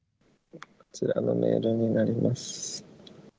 こちらのメールになります。